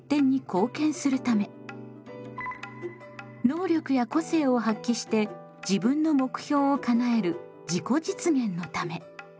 能力や個性を発揮して自分の目標をかなえる自己実現のため。